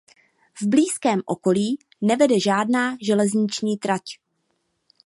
V blízkém okolí nevede žádná železniční trať.